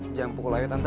jangan pukul lagi tante